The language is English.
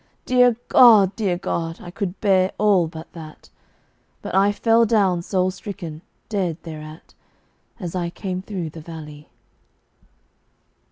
Dear God! Dear God! I could bear all but that; But I fell down soul stricken, dead, thereat, As I came through the valley.